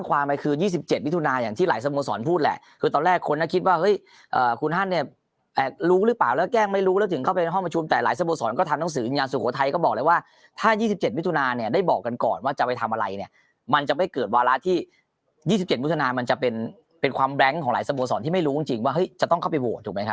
๒๗วิทุนาอย่างที่หลายสโมสรพูดแหละคือตอนแรกคนน่าคิดว่าเฮ้ยคุณฮั่นเนี่ยแอบรู้หรือเปล่าแล้วแกล้งไม่รู้แล้วถึงเข้าไปห้องประชุมแต่หลายสโมสรก็ทำหนังสืออย่างสุโขทัยก็บอกเลยว่าถ้า๒๗วิทุนาเนี่ยได้บอกกันก่อนว่าจะไปทำอะไรเนี่ยมันจะไม่เกิดวาระที่๒๗วิทุนามันจะเป็นเป็นความแบงค์ของห